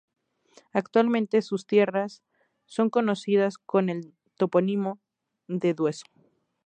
Actualmente sus tierras son conocidas con el topónimo de "Dueso".